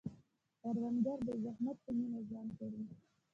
کروندګر د زحمت په مینه ژوند کوي